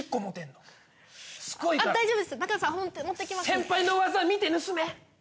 先輩の技見て盗め。